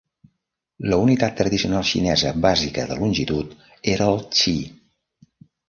La unitat tradicional xinesa bàsica de longitud era el "txi".